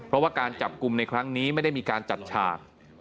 เพราะว่าการจับกลุ่มในครั้งนี้ไม่ได้มีการจัดฉาก